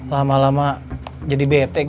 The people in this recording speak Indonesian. lama lama jadi bete